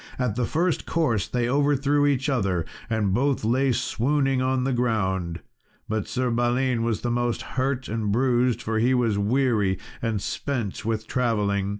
At the first course they overthrew each other, and both lay swooning on the ground; but Sir Balin was the most hurt and bruised, for he was weary and spent with travelling.